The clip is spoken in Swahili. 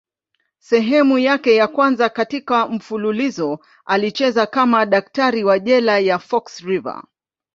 Sehemu yake ya kwanza katika mfululizo alicheza kama daktari wa jela ya Fox River.